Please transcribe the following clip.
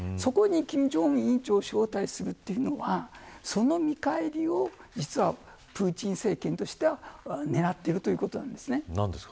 そこに金正恩委員長を招待するというのはその見返りをプーチン政権としては狙っているということなんです。